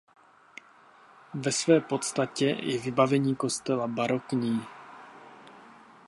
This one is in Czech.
Ve své podstatě je vybavení kostela barokní.